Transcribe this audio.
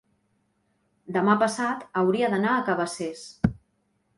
demà passat hauria d'anar a Cabacés.